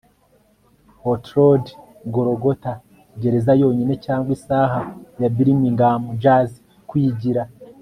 hotrod-golgotha gereza-yonyine cyangwa isaha ya birmingham jazz kwigira